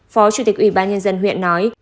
phó chủ tịch ubnd huyện nói